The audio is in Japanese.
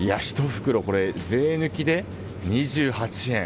１袋税抜きで２８円。